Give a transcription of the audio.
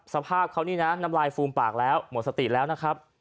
สภาพเขานี่นะน้ำลายฟูมปากแล้วหมดสติแล้วนะครับ